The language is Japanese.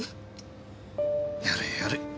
やれやれ。